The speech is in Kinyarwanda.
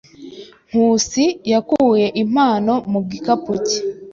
Nkusi yakuye impano mu gikapu cye.